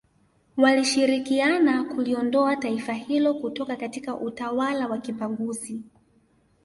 walishirikiana kuliondoa taifa hilo kutoka katika utawala wa kibaguzi